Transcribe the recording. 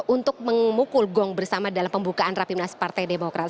untuk memukul gong bersama dalam pembukaan rapimnas partai demokrat